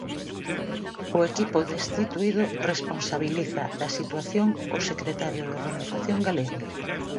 O equipo destituído responsabiliza da situación o secretario de Organización galego.